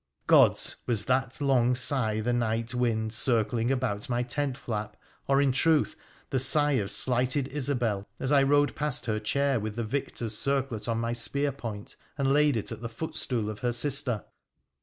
Gods ! was that long sigh the night wind circling about my tent flap or in truth the sigh of slighted Isobel, as I rode past her chair with the victor's circlet on my spear point and laid it at the footstool of her sister